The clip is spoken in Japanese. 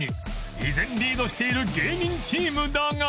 依然リードしている芸人チームだが